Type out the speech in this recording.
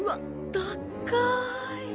たっかい。